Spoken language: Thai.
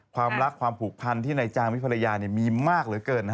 ความรักความผูกพันที่นายจางมีภรรยามีมากเหลือเกิน